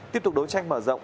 tiếp tục đối tranh mở rộng